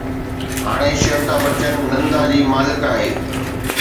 هاڻي شيوتا بچن نندا جي مالڪ آهي